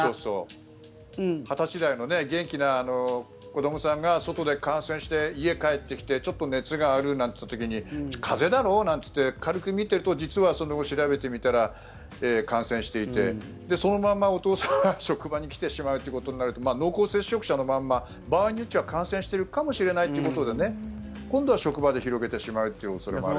２０歳代の元気なお子さんが外で感染して家に帰ってきてちょっと熱があるなんて言った時に風邪だろうなんていって軽く見ているとその後、調べてみたら感染していてそのままお父さんが職場に来てしまうと濃厚接触者のまま場合によっては感染しているかもしれないということで今度は職場で広げてしまうという恐れもある。